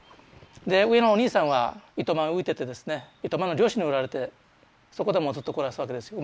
で上のお兄さんは糸満売りといってですね糸満の漁師に売られてそこでもうずっと暮らすわけですよ